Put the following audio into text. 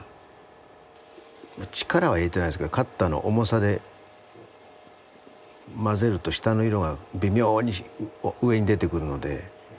力は入れてないですけどカッターの重さで混ぜると下の色が微妙に上に出てくるので。